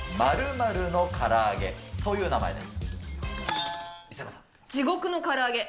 ○○の唐揚げという名前です。